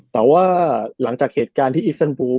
แต่ว่าหลังจากเหตุการณ์ที่อิสเซนบูล